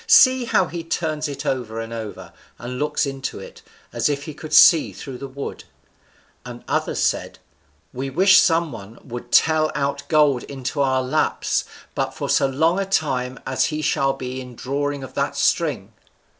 See how he turns it over and over, and looks into it, as if he could see through the wood." And others said, "We wish some one would tell out gold into our laps but for so long a time as he shall be in drawing of that string."